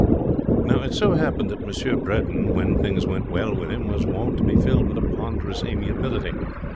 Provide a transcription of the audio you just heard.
Now it so happened that M. Bredin, when things went well with him, was wont to be filled with a ponderous amiability.